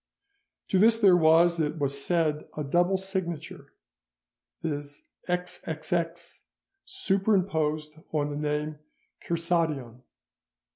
To this there was, it was said, a double signature, viz. "XXX," superimposed on the name "Kersadion."